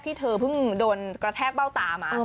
เธอเพิ่งโดนกระแทกเบ้าตามา